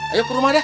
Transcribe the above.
ayo ke rumah deh